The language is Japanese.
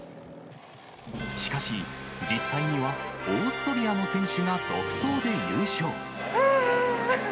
しかし、実際にはオーストリアの選手が独走で優勝。